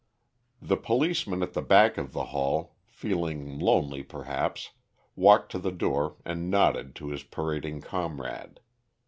The policeman at the back of the hall, feeling lonely perhaps, walked to the door and nodded to his parading comrade.